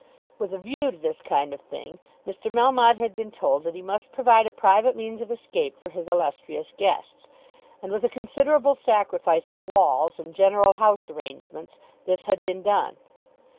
With a view to this kind of thing Mr. Melmotte had been told that he must provide a private means of escape for his illustrious guests, and with a considerable sacrifice of walls and general house arrangements this had been done.